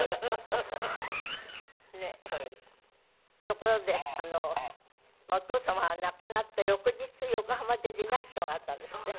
ところでお父様が亡くなった翌日横浜でディナーショーがあったんですって？